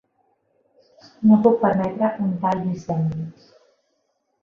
No puc permetre un tal dispendi.